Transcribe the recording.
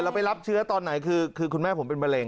ไปรับเชื้อตอนไหนคือคุณแม่ผมเป็นมะเร็